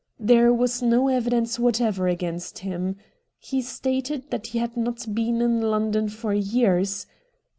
There was no evidence whatever ao ainst him. He stated that he had not been in London for years.